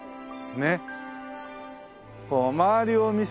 ねっ。